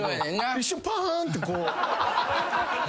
一瞬パーンってこう。